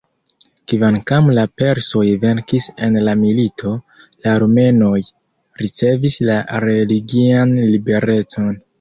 Kvankam la persoj venkis en la milito, la armenoj ricevis la religian liberecon.